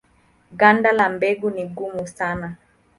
Ganda la mbegu ni gumu sana.